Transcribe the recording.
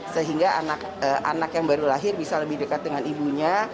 sehingga anak yang baru lahir bisa lebih dekat dengan ibunya